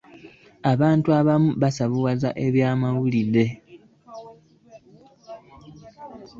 Abantu abamu basavuwaza bye bawulidde .